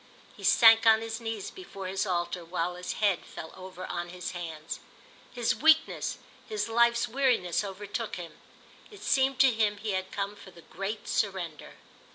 He sank on his knees before his altar while his head fell over on his hands. His weakness, his life's weariness overtook him. It seemed to him he had come for the great surrender.